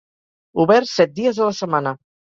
Obert set dies a la setmana.